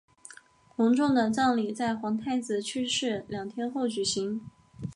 隆重的葬礼在皇太子去世两天后举行。